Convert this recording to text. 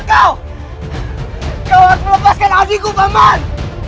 kau harus melepaskan hatiku paman